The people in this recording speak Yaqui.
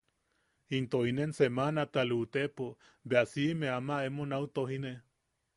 Into inen semanata lu’utepo bea si’ime ama emo nau tojine.